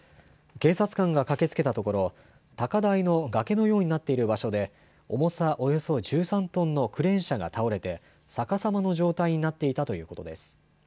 警察官が駆けつけたところ、高台の崖のようになっている場所で重さおよそ１３トンのクレーン車が倒れて逆さまの状態になっていたということです。